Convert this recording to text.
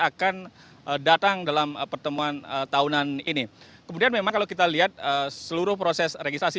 akan datang dalam pertemuan tahunan ini kemudian memang kalau kita lihat seluruh proses registrasi